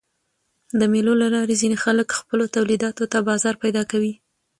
د مېلو له لاري ځيني خلک خپلو تولیداتو ته بازار پیدا کوي.